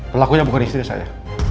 pelakunya bukan istrinya saya